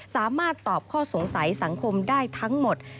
สามารถตอบข้อสงสัยสังคมได้ทั้งหมด